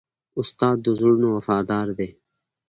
استاد د زړونو وفادار دی.